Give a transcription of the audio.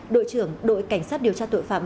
đội trưởng đội cảnh sát điều tra tội phạm